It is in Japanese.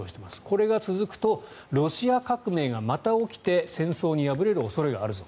これが続くとロシア革命がまた起きて戦争に敗れる恐れがあるぞ